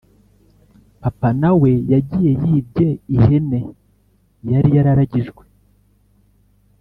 Papa nawe yagiye yibye ihene yari yararagijwe